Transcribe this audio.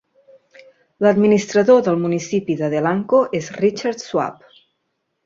L'administrador del municipi de Delanco és Richard Schwab.